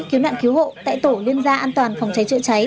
cứu nạn cứu hộ tại tổ liên gia an toàn phòng cháy chữa cháy